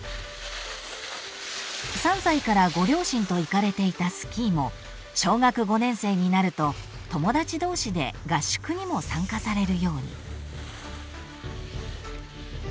［３歳からご両親と行かれていたスキーも小学５年生になると友達同士で合宿にも参加されるように］